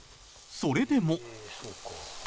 それでも